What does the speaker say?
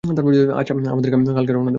আচ্ছা, আমরা কালকে রওনা দেব।